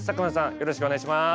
よろしくお願いします。